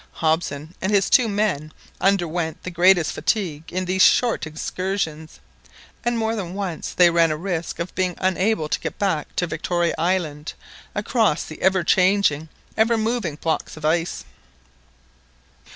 Hobson and his two men underwent the greatest fatigue in these short excursions, and more than once they ran a risk of being unable to get back to Victoria Island across the ever changing, ever moving blocks of ice.